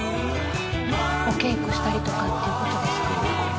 お稽古したりとかっていうことですか？